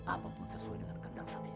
apapun sesuai dengan kata saya